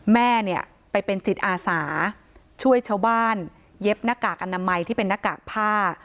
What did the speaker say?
แม่เนี่ยไปเป็นจิตอาสาช่วยชาวบ้านเย็บหน้ากากอนามัยที่เป็นหน้ากากผ้า